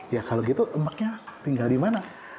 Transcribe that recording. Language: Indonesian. ya kalau gitu emaknya tinggal dimana